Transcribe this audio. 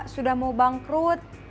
sudah mau bangkrut